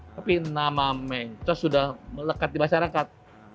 tapi nama mencos sudah melekat di masyarakat